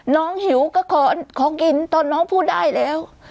หิวก็ขอกินตอนน้องพูดได้แล้ว